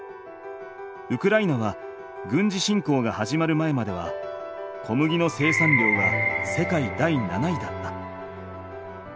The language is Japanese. ウクライナは軍事侵攻が始まる前までは小麦の生産量が世界第７位だった。